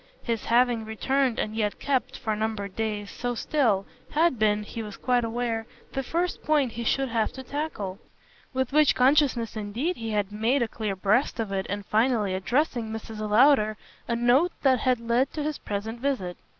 His having returned and yet kept, for numbered days, so still, had been, he was quite aware, the first point he should have to tackle; with which consciousness indeed he had made a clean breast of it in finally addressing Mrs. Lowder a note that had led to his present visit.